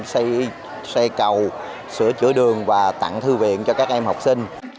xây cầu sửa chữa đường và tặng thư viện cho các em học sinh